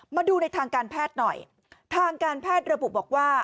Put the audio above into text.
มาดูในทางการแพทย์หน่อยทางการแพทย์ระบุบอกว่า